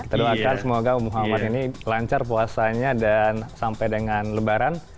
kita doakan semoga muhammad ini lancar puasanya dan sampai dengan lebaran